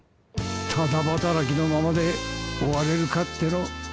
タダ働きのままで終われるかっての。